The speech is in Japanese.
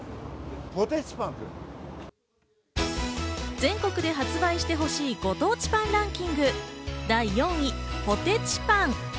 全国で発売してほしいご当地パンランキング、第４位ポテチパン。